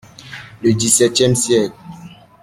Le dix-septième siècle.